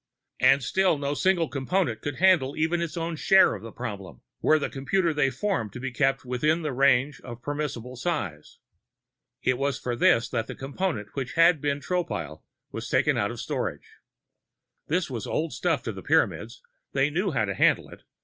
And still no single Component could handle even its own share of the problem, were the "computer" they formed to be kept within the range of permissible size. It was for this that the Component which had once been Tropile was taken out of storage. This was all old stuff to the Pyramids; they knew how to handle it.